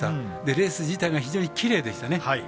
レース自体が非常にきれいでしたね。